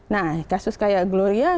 nah kasus kayak gloria